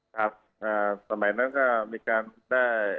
ครับสมัยนั้นก็มีการได้